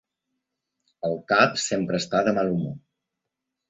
El cap sempre està de mal humor.